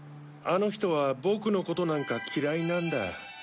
あの人はボクのことなんか嫌いなんだ。